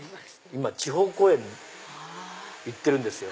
今地方公演行ってるんですよ。